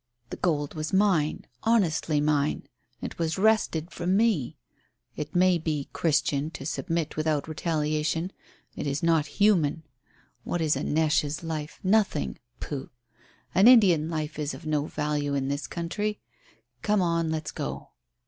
"The gold was mine honestly mine. It was wrested from me. It may be Christian to submit without retaliation. It is not human. What is a neche's life nothing. Pooh! An Indian life is of no value in this country. Come on, let's go."